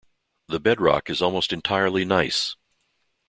The bedrock is almost entirely gneiss.